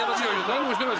何もしてない。